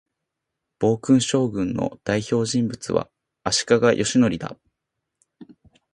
暴君将軍の代表人物は、足利義教だ